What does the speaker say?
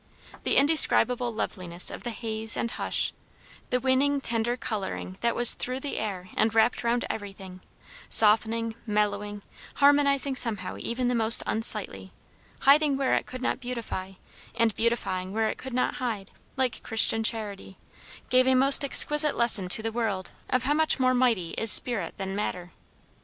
The indescribable loveliness of the haze and hush, the winning tender colouring that was through the air and wrapped round everything, softening, mellowing, harmonizing somehow even the most unsightly; hiding where it could not beautify, and beautifying where it could not hide, like Christian charity; gave a most exquisite lesson to the world, of how much more mighty is spirit than matter.